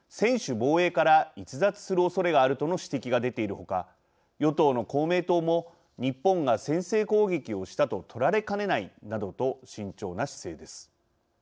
防衛から逸脱するおそれがあるとの指摘が出ているほか与党の公明党も「日本が先制攻撃をしたと取られかねない」などと慎重な姿勢です。